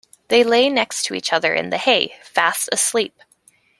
They lay next to each other in the hay, fast asleep.